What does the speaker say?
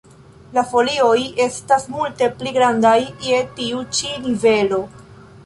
La folioj estas multe pli grandaj je tiu ĉi nivelo.